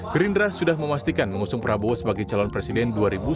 gerindra sudah memastikan mengusung prabowo sebagai calon presiden dua ribu sembilan belas